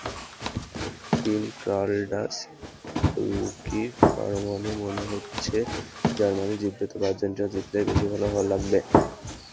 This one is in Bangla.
টিম ক্রালডাচ গোলকিপারমনে হচ্ছে জার্মানি জিতবে, তবে আর্জেন্টিনা জিতলেই বেশি ভালো লাগবে।